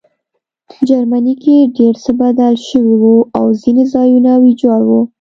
جرمني کې ډېر څه بدل شوي وو او ځینې ځایونه ویجاړ وو